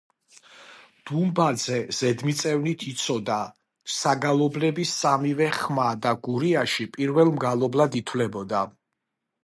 დუმბაძემ ზედმიწევნით იცოდა საგალობლების სამივე ხმა და გურიაში პირველ მგალობლად ითვლებოდა.